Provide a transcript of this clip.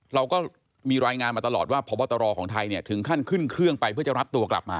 เราก็มีรายงานมาตลอดว่าพบตรของไทยเนี่ยถึงขั้นขึ้นเครื่องไปเพื่อจะรับตัวกลับมา